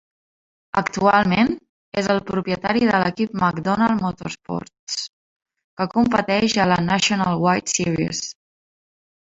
Actualment, és el propietari de l'equip MacDonald Motorsports, que competeix a la Nationwide Series.